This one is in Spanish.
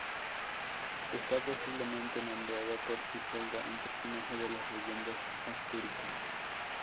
Está posiblemente nombrado por Isolda, un personaje de las leyendas artúricas.